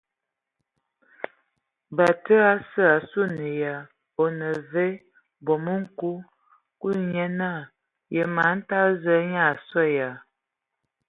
Batsidi ase a suan ya, a o nə vǝ o bomoŋ nkul. Kulu nye naa: Yǝ man tada Zǝə nyaa a sɔ ya ?.